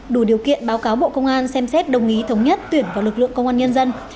đủ điều kiện báo cáo bộ công an xem xét đồng ý thống nhất tuyển vào lực lượng công an nhân dân